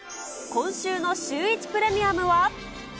今週のシュー１プレミアムは？